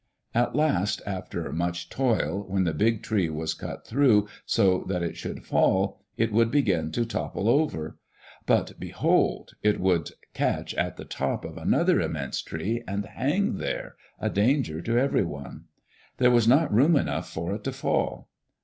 At last, after much toil, when the big tree was cut through so that it should fall, it would begin to topple over. But behold 1 it would catch in the top of another immense tree and hang there, a danger to everyone. There was not room enough for it to fall.